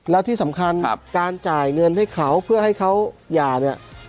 แล้วที่สำคัญการจ่ายเงินให้เขาเพื่อให้เขาหย่าเนี่ย